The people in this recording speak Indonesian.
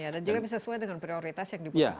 dan juga bisa sesuai dengan prioritas yang dibutuhkan